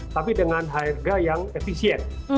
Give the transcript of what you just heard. tapi dengan harga yang efisien